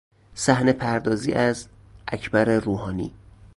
صحنه پردازی از: اکبر روحانی